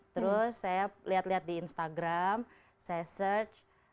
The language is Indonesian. terus saya lihat lihat di instagram saya search